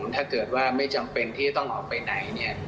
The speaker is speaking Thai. ถ้าเกิดว่าไม่จำเป็นที่ต้องออกไปไหนเนี่ย